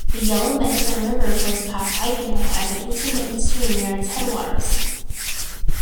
The Yellow Medicine River flows past Ivanhoe as an intermittent stream near its headwaters.